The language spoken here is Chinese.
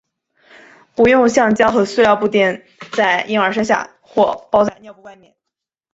不用橡胶和塑料布垫在婴儿身下或包在尿布外面。